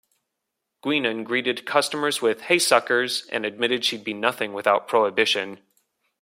Guinan greeted customers with "Hey Suckers" and admitted she'd be nothing without Prohibition.